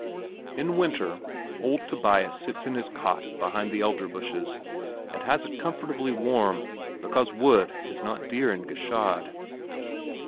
In winter, old Tobias sits in his cot behind the elder bushes and has it comfortably warm, because wood is not dear in Gschaid.